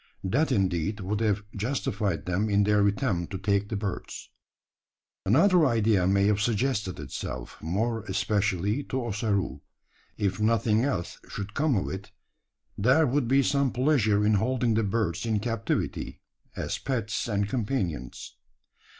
That indeed would have justified them in their attempt to take the birds. Another idea may have suggested itself more especially to Ossaroo. If nothing else should come of it, there would be some pleasure in holding the birds in captivity as pets and companions.